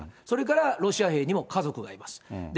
それからロシア兵にも家族がいます。